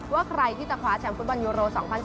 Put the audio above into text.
ว่าใครที่จะคว้าแชมป์ฟุตบอลยูโร๒๐๑๘